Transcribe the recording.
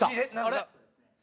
あれ？